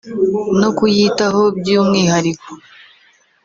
no kuyitaho by’umwihariko